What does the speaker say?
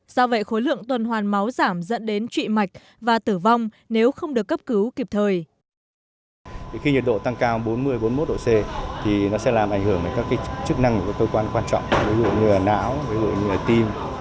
do vậy khối lượng tuần hoàn máu giảm dẫn đến trị mạch và tử vong nếu không được cấp cứu kịp thời